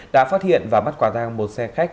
đã phát hiện và bắt quả tang một xe khách